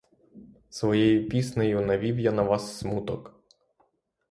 Своєю піснею навів я на вас смуток.